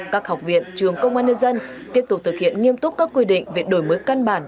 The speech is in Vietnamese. các học viện trường công an nhân dân tiếp tục thực hiện nghiêm túc các quy định về đổi mới căn bản